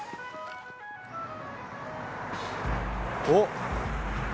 おっ！